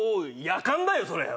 やかんだよそれ。